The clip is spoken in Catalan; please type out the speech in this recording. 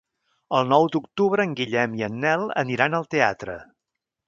El nou d'octubre en Guillem i en Nel aniran al teatre.